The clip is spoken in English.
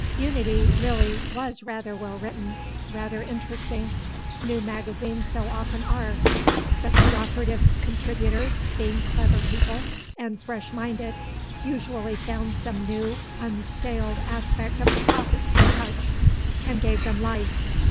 Unity really was rather well written, rather interesting. New magazines so often are. The co operative contributors, being clever people, and fresh minded, usually found some new, unstaled aspect of the topics they touched, and gave them life.